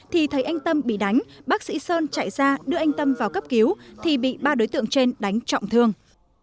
thì thấy anh tâm bị đánh bác sĩ sơn chạy ra đưa anh tâm vào cấp cứu thì bị ba đối tượng trên đánh trọng thương